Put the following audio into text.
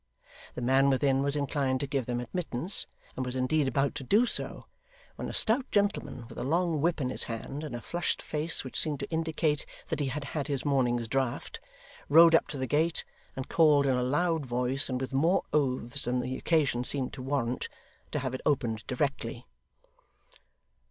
The man within was inclined to give them admittance, and was indeed about to do so, when a stout gentleman with a long whip in his hand, and a flushed face which seemed to indicate that he had had his morning's draught, rode up to the gate, and called in a loud voice and with more oaths than the occasion seemed to warrant to have it opened directly.